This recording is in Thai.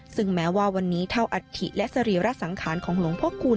ซึ่งแม้ว่าวันนี้เท่าอัฐิและสรีระสังขารของหลวงพ่อคูณ